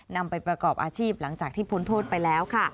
นำไปประกอบอาชีพหลังจากที่พ้นโทษไปแล้วค่ะ